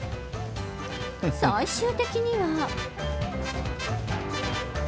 最終的には。